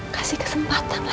kasih kesempatan lagi buat elsa